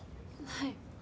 はい。